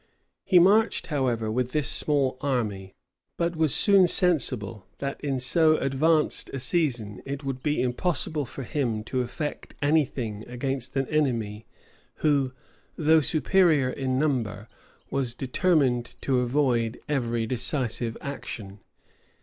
He marched, however, with this small army; but was soon sensible, that in so advanced a season, it would be impossible for him to effect any thing against an enemy who, though superior in number, was determined to avoid every decisive action.